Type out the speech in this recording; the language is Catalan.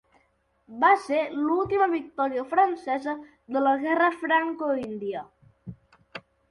Va ser l'última victòria francesa de la Guerra Franco-índia.